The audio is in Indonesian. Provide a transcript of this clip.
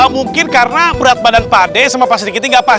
mungkin karena berat badan pak ade sama pak sedikitin gak pas